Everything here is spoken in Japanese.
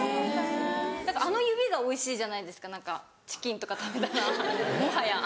あの指がおいしいじゃないですかチキンとか食べたらもはや。